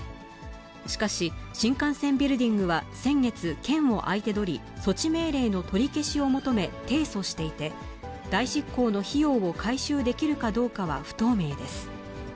しかし、新幹線ビルディングは先月、県を相手取り、措置命令の取り消しを求め提訴していて、代執行の費用を回収できるかどうかは不透明です。